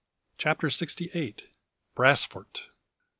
CHAPTER SIXTY EIGHT. "BRASFORT."